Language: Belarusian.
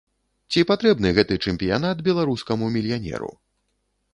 Ці патрэбны гэты чэмпіянат беларускаму мільянеру?